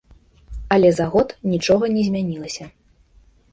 Але за год нічога не змянілася.